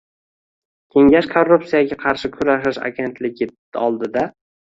Kengash Korrupsiyaga qarshi kurashish agentligi oldida